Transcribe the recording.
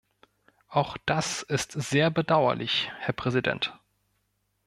Auch das ist sehr bedauerlich, Herr Präsident.